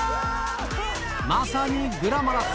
まさにグラマラス！